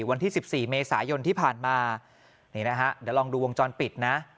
วันที่๑๔เมษายนที่ผ่านมานี่นะฮะเดี๋ยวลองดูวงจรปิดนะ